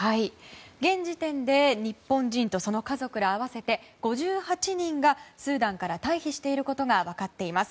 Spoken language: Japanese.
現時点で日本人とその家族ら合わせて５８人がスーダンから退避していることが分かっています。